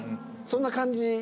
そんな感じ。